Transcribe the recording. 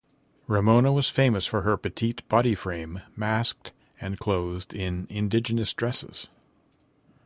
Ramona was famous for her petite body frame masked and clothed in indigenous dresses.